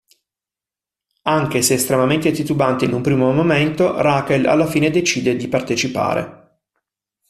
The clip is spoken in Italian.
Anche se estremamente titubante in un primo momento, Rachel alla fine decide di partecipare.